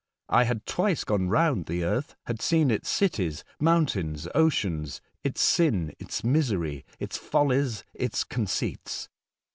I bad twice gone round your eartb, bad seen its cities, mountains, oceans, its sin, its misery, its follies, its conceits.